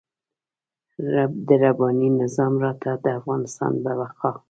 د رباني نظام راته د افغانستان د بقا.